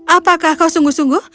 apakah kau sungguh sungguh